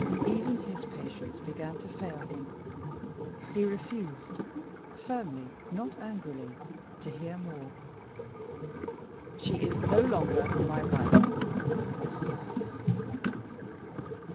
Even his patience began to fail him; he refused firmly, not angrily to hear more. "She is no longer my wife," he said.